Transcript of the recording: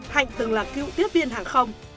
hạnh từng là cựu tiếp viên hàng không